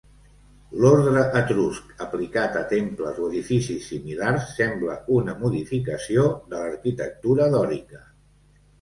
L'ordre etrusc aplicat a temples o edificis similars sembla una modificació de l'arquitectura dòrica.